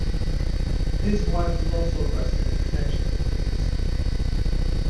His wife was also arrested in connection with the case.